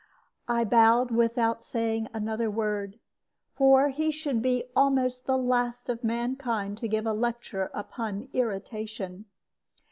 I bowed without saying another word. For he should be almost the last of mankind to give a lecture upon irritation.